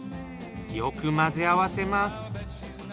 よく混ぜ合わせます。